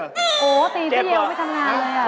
โอ้โหตีที่ยังไม่ทำงานเลยอ่ะ